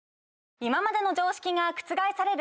今までの常識が覆される⁉